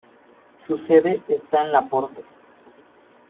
Su sede está en Laporte.